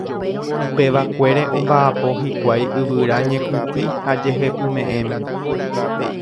Upevakuére omba'apo hikuái yvyra ñekytĩ ha jehepyme'ẽme.